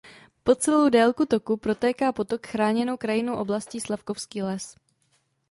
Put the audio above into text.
Po celou délku toku protéká potok chráněnou krajinnou oblastí Slavkovský les.